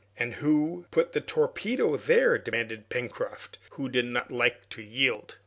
"And who put the torpedo there?" demanded Pencroft, who did not like to yield.